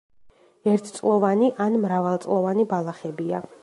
ერთწლოვანი ან მრავალწლოვანი ბალახებია.